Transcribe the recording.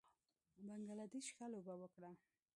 بنګله دېش ښه لوبه وکړه